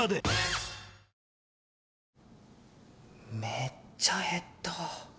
めっちゃ減った。